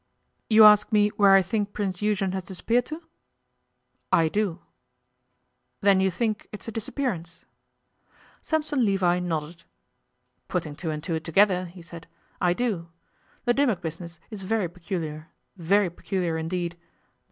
'You ask me where I think Prince Eugen has disappeared to?' 'I do.' 'Then you think it's a disappearance?' Sampson Levi nodded. 'Putting two and two together,' he said, 'I do. The Dimmock business is very peculiar very peculiar, indeed.